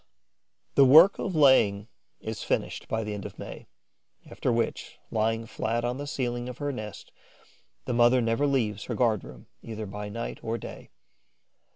The work of laying is finished by the end of May, after which, lying flat on the ceiling of her nest, the mother never leaves her guard room, either by night or day.